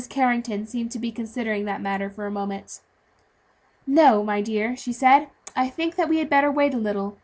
Carrington seemed to be considering the matter for a moment. "No, my dear," she said; "I think we had better wait a little.